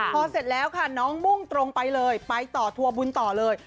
พอเสร็จแล้วค่ะน้องมุ่งตรงไปเลยไปต่อทัวร์บุญต่อเลย